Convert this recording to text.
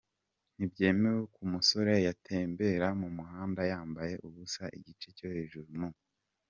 ntibyemewe ko umusore yatembera mu muhanda yambaye ubusa igice cyo hejuru mu.